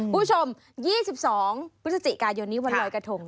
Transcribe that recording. ผู้ชม๒๒พฤศจิกายนวันรอยกระทง